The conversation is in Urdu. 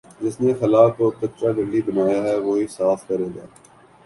جس نے خلاکو کچرا کنڈی بنایا ہے وہی صاف کرے گا